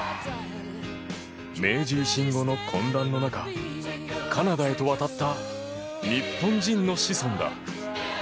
明治維新後の混乱の中カナダへと渡った日本人の子孫だ。